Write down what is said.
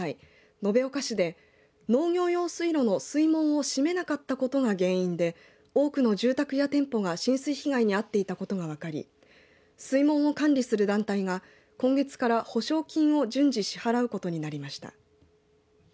延岡市で農業用水路の水門を閉めなかったことが原因で多くの住宅や店舗が浸水被害に遭っていたことが分かり水門を管理する団体が今月から補償金を順次支払うことになりました。